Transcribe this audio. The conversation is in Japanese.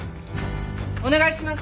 お願いします